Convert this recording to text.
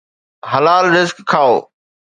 حلال رزق کائو.